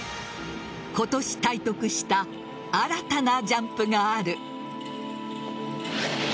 今年体得した新たなジャンプがある。